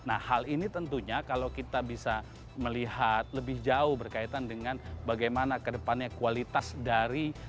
nah hal ini tentunya kalau kita bisa melihat lebih jauh berkaitan dengan bagaimana kedepannya kualitas dari